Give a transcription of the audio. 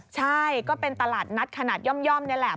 ใช่ก็เป็นตลาดนัดขนาดย่อมนี่แหละ